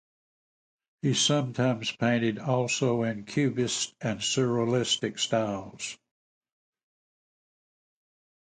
He sometimes painted also in cubist and surrealist styles.